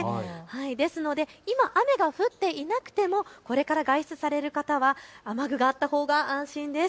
ですので今、雨が降っていなくてもこれから外出される方は雨具があったほうが安心です。